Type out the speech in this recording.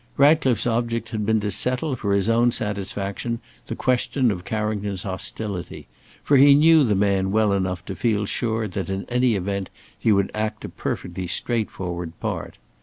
Ratcliffe's object had been to settle for his own satisfaction the question of Carrington's hostility, for he knew the man well enough to feel sure that in any event he would act a perfectly straightforward part.